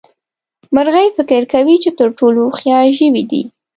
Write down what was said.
مرغۍ فکر کوي چې تر ټولو هوښيار ژوي دي.